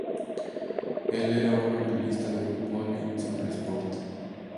Él era un analista de fútbol en SuperSport.